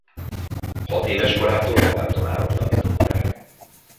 Hatéves korától magántanárok tanították.